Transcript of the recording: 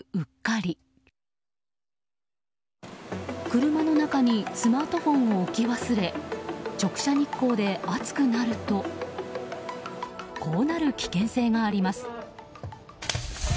車の中にスマートフォンを置き忘れ直射日光で熱くなるとこうなる危険性があります。